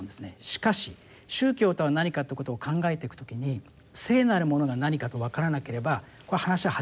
しかし宗教とは何かということを考えていく時に聖なるものが何かとわからなければ話は始まらないと思うんですね。